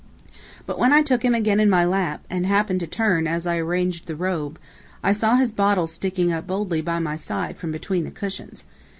But when I took him again in my lap, and happened to turn, as I arranged the robe, I saw his bottle sticking up boldly by my side from between the cushions.